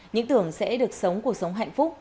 những tưởng sẽ được sống cuộc sống hạnh phúc